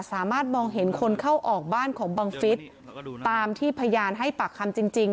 สามารถมองเห็นคนเข้าออกบ้านของบังฟิศตามที่พยานให้ปากคำจริง